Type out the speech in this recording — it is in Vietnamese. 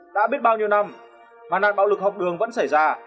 đã biết bao nhiêu năm mà nạn bạo lực học đường vẫn xảy ra